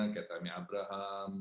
kayak tammy abraham